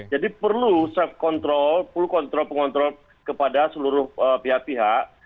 jadi perlu self control full control pengontrol kepada seluruh pihak pihak